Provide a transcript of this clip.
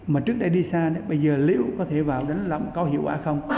mà trước đây đi xa bây giờ liệu có thể vào đánh lộng có hiệu quả không